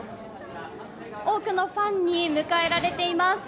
多くのファンに迎えられています。